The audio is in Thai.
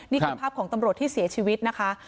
นี่คือภาพของตำรวจที่เสียชีวิตนะคะ